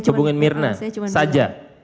hubungi myrna saja